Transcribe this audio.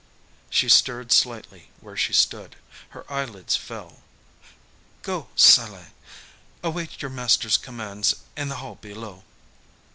She stirred slightly where she stood. Her eyelids fell. "Go, Salai. Await your master's commands in the hall below."